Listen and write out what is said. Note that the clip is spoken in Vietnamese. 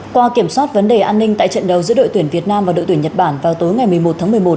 qua kiểm soát vấn đề an ninh tại trận đấu giữa đội tuyển việt nam và đội tuyển nhật bản vào tối ngày một mươi một tháng một mươi một